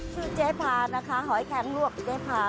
ชื่อเจ๊พานะคะหอยแคงลวกเจ๊พา